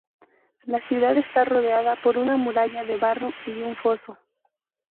La ciudad está rodeada por una muralla de barro y un foso.